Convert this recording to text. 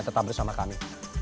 tetap bersama kami